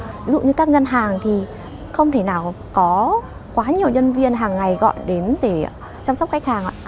ví dụ như các ngân hàng thì không thể nào có quá nhiều nhân viên hàng ngày gọi đến để chăm sóc khách hàng ạ